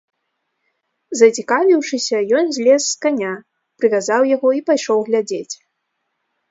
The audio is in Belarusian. Зацікавіўшыся, ён злез з каня, прывязаў яго і пайшоў глядзець.